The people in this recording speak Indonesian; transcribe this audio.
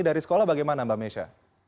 dari sekolah bagaimana mbak mesha